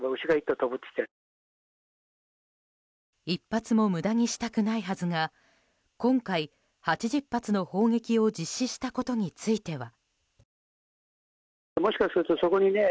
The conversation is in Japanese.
１発も無駄にしたくないはずが今回、８０発の砲撃を実施したことについては。